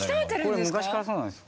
これ昔からそうなんです。